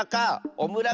「オムラ」？